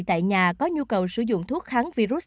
tại nhà có nhu cầu sử dụng thuốc kháng virus